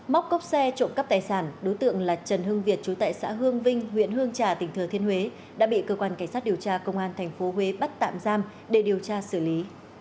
móc cốc xe trộm cắp tài sản đối tượng là trần hưng việt chú tại xã hương vinh huyện hương trà tỉnh thừa thiên huế đã bị cơ quan cảnh sát điều tra công an tp huế bắt tạm giam để điều tra xử lý